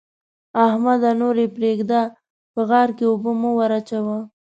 احمده! نور يې پرېږده؛ په غار کې اوبه مه وراچوه.